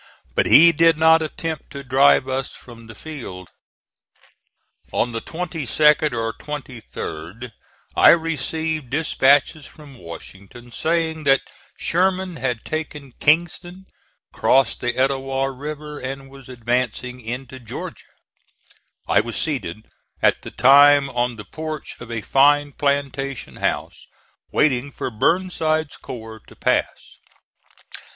But he did not attempt to drive us from the field. On the 22d or 23d I received dispatches from Washington saying that Sherman had taken Kingston, crossed the Etowah River and was advancing into Georgia. I was seated at the time on the porch of a fine plantation house waiting for Burnside's corps to pass.